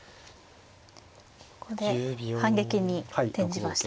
ここで反撃に転じましたね。